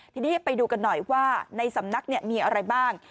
ทีนี้ไปดูกันหน่อยว่าในสำนักมีอะไรบ้าง